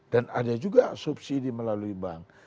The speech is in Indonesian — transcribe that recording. dan ada juga subsidi melalui bank